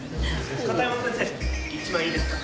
片山先生１枚いいですか？